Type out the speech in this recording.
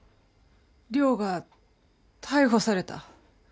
亮が逮捕された。